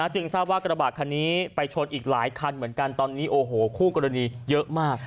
จึงทราบว่ากระบาดคันนี้ไปชนอีกหลายคันเหมือนกันตอนนี้โอ้โหคู่กรณีเยอะมาก